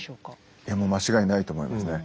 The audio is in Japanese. いやもう間違いないと思いますね。